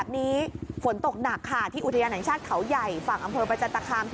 นี่คือถนน